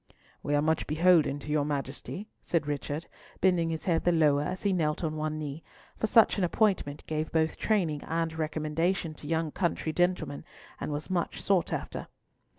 "We are much beholden to your Majesty," said Richard, bending his head the lower as he knelt on one knee; for such an appointment gave both training and recommendation to young country gentlemen, and was much sought after.